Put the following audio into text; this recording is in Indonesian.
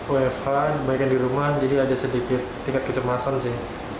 wfh baik yang di rumah jadi ada sedikit tingkat kecemasan sih